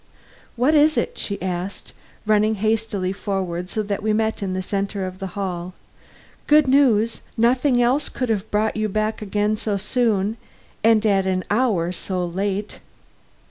"What is it?" she asked, running hastily forward so that we met in the center of the hall. "Good news? Nothing else could have brought you back again so soon and at an hour so late."